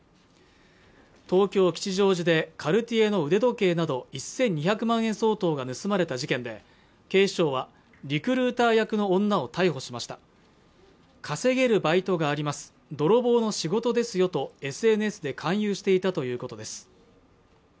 東京・吉祥寺でカルティエの腕時計など１２００万円相当が盗まれた事件で警視庁はリクルーター役の女を逮捕しました稼げるバイトがあります泥棒の仕事ですよとＳＮＳで勧誘していたということです